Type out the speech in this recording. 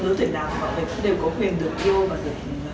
chủ tịch nào cũng đều có quyền được vô và được